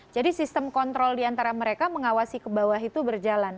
jadi sistem kontrol di antara mereka mengawasi ke bawah itu berjalan